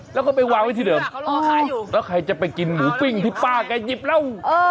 แล้วก็ไปวางไว้ที่เดิมแล้วใครจะไปกินหมูปิ้งที่ป้าแกหยิบแล้ว